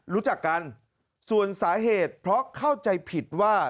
รู้จักกันส่วนสาเหตุเพราะเข้าใจผิดว่า